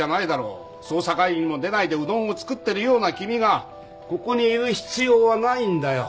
捜査会議にも出ないでうどんを作ってるような君がここにいる必要はないんだよ。